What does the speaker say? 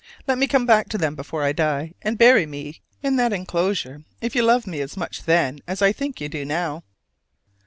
Let me come back to them before I die, and bury me in that inclosure if you love me as much then as I think you do now.